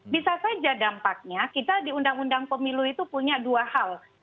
bisa saja dampaknya kita di undang undang pemilu itu punya dua hal